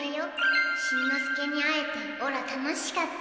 しんのすけに会えてオラ楽しかった。